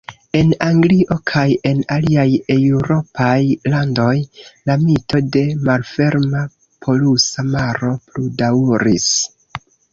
En Anglio kaj en aliaj eŭropaj landoj, la mito de "Malferma Polusa Maro" pludaŭris.